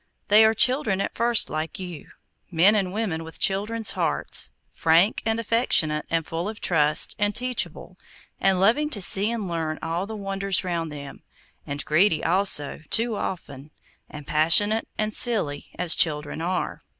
They are children at first like you—men and women with children's hearts; frank, and affectionate, and full of trust, and teachable, and loving to see and learn all the wonders round them; and greedy also, too often, and passionate and silly, as children are.